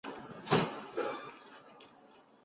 现在时间是。